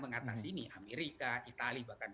mengatasi ini amerika itali bahkan